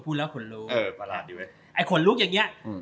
พูดแล้วขนลุกอ่ะขนลุกอย่างเงี้ย